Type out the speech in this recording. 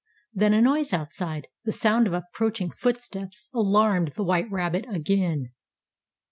Then a noise outside the sound of approaching footsteps alarmed the white rabbit again.